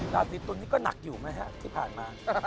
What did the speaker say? ราศีตุลนี่ก็หนักอยู่ไหมฮะที่ผ่านมา